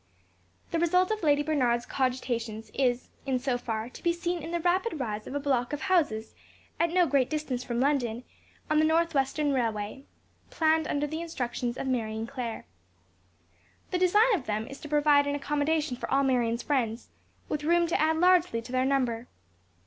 The result of Lady Bernard's cogitations is, in so far, to be seen in the rapid rise of a block of houses at no great distance from London, on the North western Railway, planned under the instructions of Marion Clare. The design of them is to provide accommodation for all Marion's friends, with room to add largely to their number.